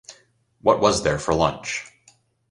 What was there for lunch?